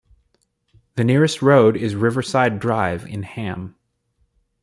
The nearest road is Riverside Drive in Ham.